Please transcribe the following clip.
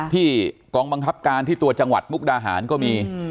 กองบังคับการที่ตัวจังหวัดมุกดาหารก็มี